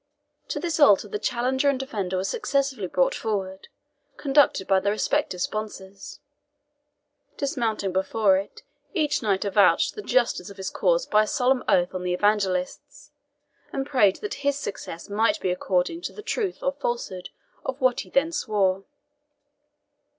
To this altar the challenger and defender were successively brought forward, conducted by their respective sponsors. Dismounting before it, each knight avouched the justice of his cause by a solemn oath on the Evangelists, and prayed that his success might be according to the truth or falsehood of what he then swore.